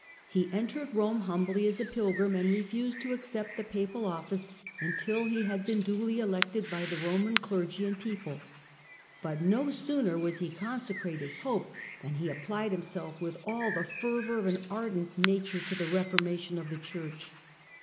He entered Eome humbly as a pilgrim, and refused to accept the papal ofhce until he had been duly elected by the Eoman cleroy and people. But no sooner was he consecrated Pope than he applied himself with all the fervour of an ardent nature to the reformation of the Church.